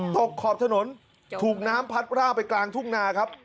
ขอบถนนถูกน้ำพัดร่าไปกลางทุ่งนาครับ